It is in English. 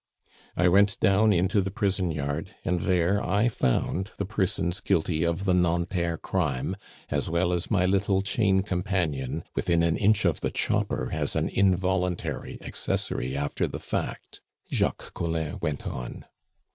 "I went down into the prison yard, and there I found the persons guilty of the Nanterre crime, as well as my little chain companion within an inch of the chopper as an involuntary accessory after the fact," Jacques Collin went on.